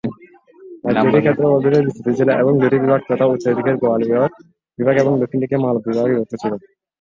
রাজ্যটি ক্ষেত্রফল জুড়ে বিস্তৃত ছিল এবং দুটি বিভাগ তথা উত্তর দিকের গোয়ালিয়র বিভাগ এবং দক্ষিণ দিকে মালব বিভাগে বিভক্ত ছিল।